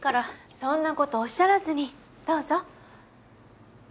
そんなことおっしゃらずにどうぞ。